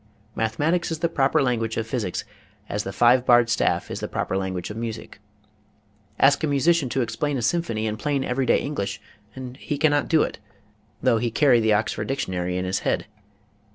Mathe matics is the proper language of physics as the five barred staff is the proper language of music. Ask a musician to explain a symphony in plain every day English and he cannot do it, though he carry the Oxford Dictionary in his head.